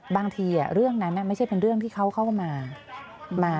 บางทีเรื่องนั้นไม่ใช่เป็นเรื่องที่เขาเข้ามา